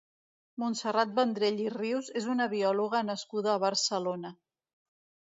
Montserrat Vendrell i Rius és una biòloga nascuda a Barcelona.